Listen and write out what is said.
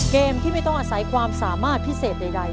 เกมที่ไม่ต้องอาศัยความสามารถพิเศษใด